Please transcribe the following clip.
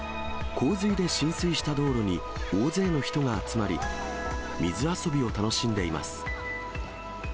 洪水で浸水した道路に大勢の人が集まり、水遊びを楽しんでいます。